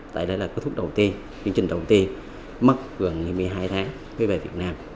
tại đây là cái thuốc đầu tiên chương trình đầu tiên mất gần hai mươi hai tháng mới về việt nam